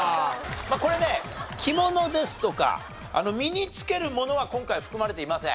これね着物ですとか身につけるものは今回含まれていません。